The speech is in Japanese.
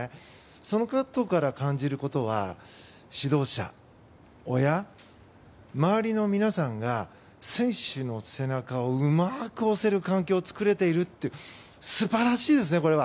そのことから感じることは指導者、親周りの皆さんが選手の背中をうまく押せる環境を作れていると素晴らしいですね、これは。